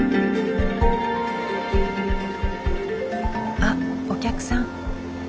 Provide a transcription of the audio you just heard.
あっお客さん。